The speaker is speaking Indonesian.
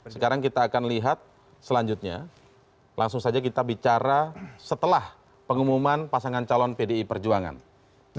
sekarang kita akan lihat selanjutnya langsung saja kita bicara setelah pengumuman pasangan calon pdi perjuangan